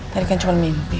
tadi kan cuma mimpi